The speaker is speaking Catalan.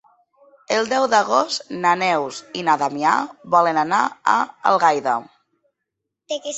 El deu d'agost na Neus i na Damià volen anar a Algaida.